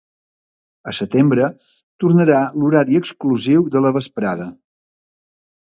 A setembre tornarà l’horari exclusiu de la vesprada.